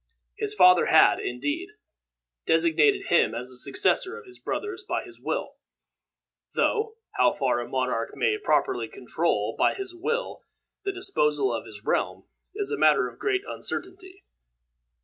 His father had, indeed, designated him as the successor of his brothers by his will, though how far a monarch may properly control by his will the disposal of his realm, is a matter of great uncertainty.